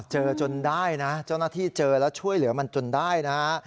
จนได้นะเจ้าหน้าที่เจอแล้วช่วยเหลือมันจนได้นะฮะ